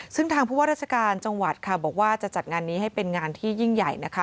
ซึ่งทางผู้ว่าราชการจังหวัดค่ะบอกว่าจะจัดงานนี้ให้เป็นงานที่ยิ่งใหญ่นะคะ